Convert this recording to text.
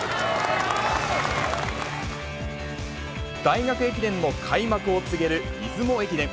大学駅伝の開幕を告げる出雲駅伝。